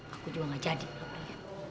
aku juga gak jadi kalau beliin